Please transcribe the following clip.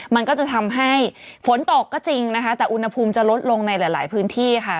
มันก็จะทำให้ฝนตกก็จริงนะคะแต่อุณหภูมิจะลดลงในหลายพื้นที่ค่ะ